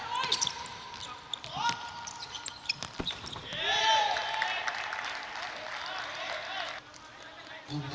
สวัสดีครับสวัสดีครับ